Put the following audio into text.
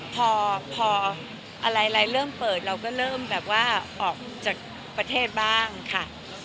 พออะไรเริ่มเปิดเราก็เริ่มแบบว่าออกจากประเทศบ้างค่ะ